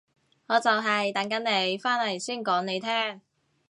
我就係等緊你返嚟先講你聽